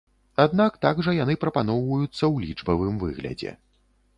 Аднак так жа яны прапаноўваюцца ў лічбавым выглядзе.